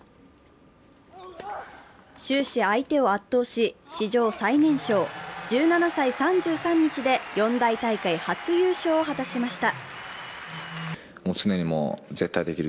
終始相手を圧倒し、史上最年少１７歳３３日で四大大会初優勝を果たしました。